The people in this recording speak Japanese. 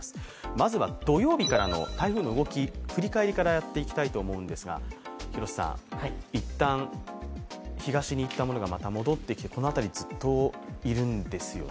まずは、土曜日からの台風の動き振り返りからやっていきたいと思うんですがいったん、東にいったものがまた戻ってきてこの辺りずっといるんですよね？